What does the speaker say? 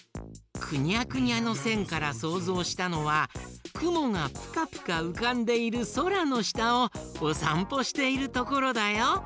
くにゃくにゃのせんからそうぞうしたのは「くもがぷかぷかうかんでいるそらのしたをおさんぽしているところ」だよ。